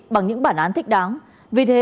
bằng những bản án thích đáng vì thế